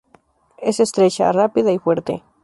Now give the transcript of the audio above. Es estrecha, rápida y fuerte.